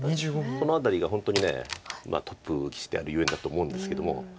この辺りが本当にトップ棋士であるゆえんだと思うんですけども。